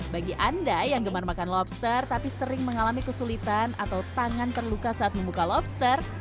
bagi anda yang gemar makan lobster tapi sering mengalami kesulitan atau tangan terluka saat membuka lobster